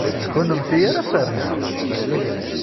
D kennemti ara ferneɣ!